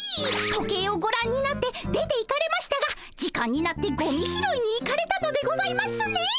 時計をごらんになって出ていかれましたが時間になってゴミ拾いに行かれたのでございますね！